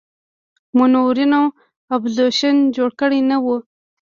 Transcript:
منورینو اپوزیشن جوړ کړی نه وي.